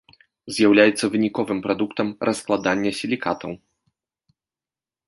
З'яўляецца выніковым прадуктам раскладання сілікатаў.